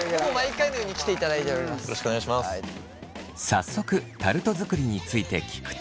早速タルト作りについて聞くと。